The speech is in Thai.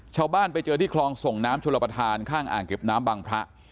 ชาวบ้านไปเจอที่คลองส่งน้ำชลประธานข้างอ่างเก็บน้ำบังพระ